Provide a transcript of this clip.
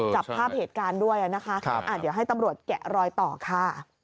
จับภาพเหตุการณ์ด้วยนะคะเดี๋ยวให้ตำรวจแกะรอยต่อค่ะ